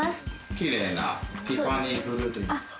キレイなティファニーブルーといいますか。